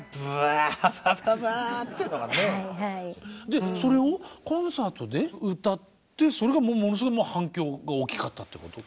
でそれをコンサートで歌ってそれがものすごい反響が大きかったっていうこと？